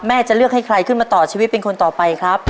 จะเลือกให้ใครขึ้นมาต่อชีวิตเป็นคนต่อไปครับ